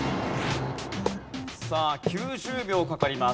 さあ９０秒かかります。